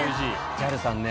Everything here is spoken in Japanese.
ＪＡＬさんね